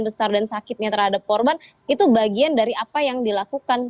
besar dan sakitnya terhadap korban itu bagian dari apa yang dilakukan